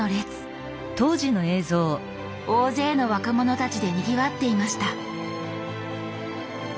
大勢の若者たちでにぎわっていました